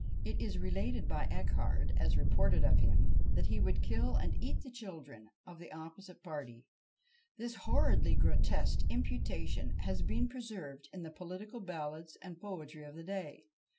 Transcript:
It is related by Echard as reported of him, that he would kill and eat the children of the opposite party. This horridly grotesque imputation has been preserved in the political ballads and poetry of the day.